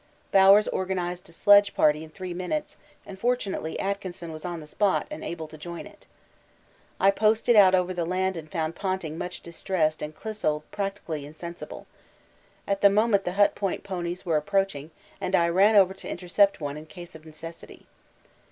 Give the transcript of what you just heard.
Bowers organised a sledge party in three minutes, and fortunately Atkinson was on the spot and able to join it. I posted out over the land and found Ponting much distressed and Clissold practically insensible. At this moment the Hut Point ponies were approaching and I ran over to intercept one in case of necessity.